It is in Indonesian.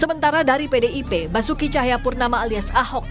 sementara dari pdip basuki cahayapurnama alias ahok